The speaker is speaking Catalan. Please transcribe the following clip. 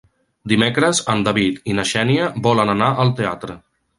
Dimecres en David i na Xènia volen anar al teatre.